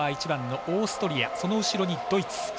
１番のオーストリア、その後ろにドイツ。